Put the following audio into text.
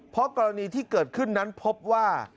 เพราะกรณีที่เกิดขึ้นนั้นพบว่า